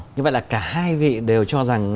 như vậy là cả hai vị đều cho rằng